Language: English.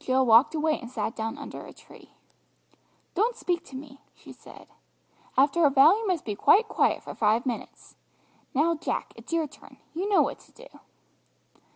Jill walked away and sat down under a tree. "Don't speak to me," she said; "after a vow you must be quite quiet for five minutes. Now, Jack, it's your turn; you know what to do."